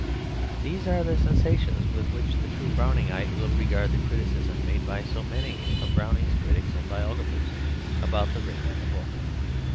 These are the sensations with which the true Browningite will regard the criticism made by so many of Browning's critics and biographers about The Ring and the Book.